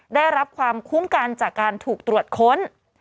ได้รับความคุ้มกันจากการถูกตรวจค้น